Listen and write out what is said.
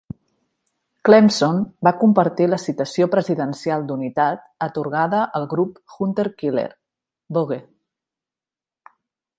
"Clemson" va compartir la Citació Presidencial d'Unitat atorgada al grup hunter-killer "Bogue".